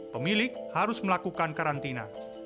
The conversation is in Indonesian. pemilik harus melakukan karantina